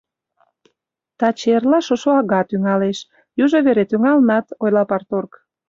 — Таче-эрла шошо ага тӱҥалеш, южо вере тӱҥалынат, — ойла парторг.